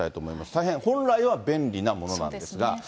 大変、本来は便利なものなんですが。